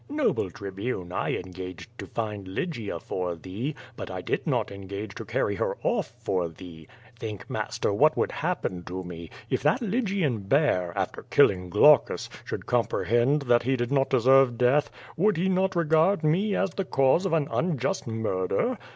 "Xoble Tribune, I engaged to find Lygia for thee, but I did not engage to carry her off for thee. Think, mas ter, what would happen to me. If that Lygian bear, after killing Glaucus, shoidd comprehend that he did not deserve death, would he not regard me as the cause of an unjust miurder?